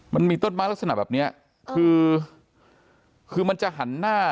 มันมีต้นไม้ลักษณะแบบเนี้ยคือคือมันจะหันหน้า